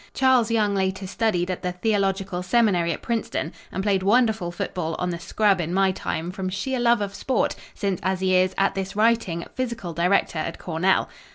Charles Young later studied at the Theological Seminary at Princeton and played wonderful football on the scrub in my time from sheer love of sport, since as he is, at this writing, physical director at Cornell.